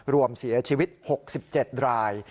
รวมเสียชีวิต๖๗ราย